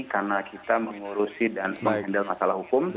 karena kita mengurusi dan mengendalikan masalah hukum